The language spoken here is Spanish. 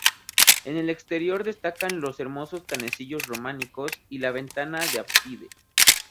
En el exterior destacan los hermosos canecillos románicos y la ventana del ábside.